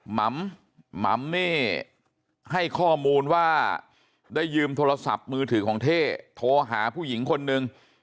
หม่ำนี่ให้ข้อมูลว่าได้ยืมโทรศัพท์มือถือของเท่โทรหาผู้หญิงคนนึง